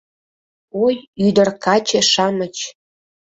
Ой, ӱдыр-каче-шамыч!